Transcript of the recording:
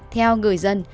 theo người dân